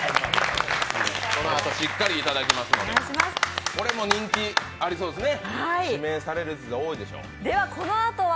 しっかりいただきますので、これも人気ありそうですね。